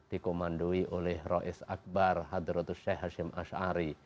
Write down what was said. dikumandoi oleh ro'is akbar hadratus syekh hashim ash'ari